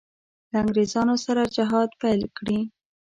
له انګرېزانو سره جهاد پیل کړي.